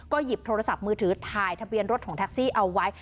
หยิบโทรศัพท์มือถือถ่ายทะเบียนรถของแท็กซี่เอาไว้